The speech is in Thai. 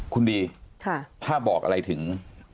คุณดีถ้าบอกอะไรถึง